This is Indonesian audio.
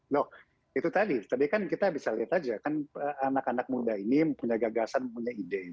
loh itu tadi kan kita bisa lihat aja kan anak anak muda ini punya gagasan punya ide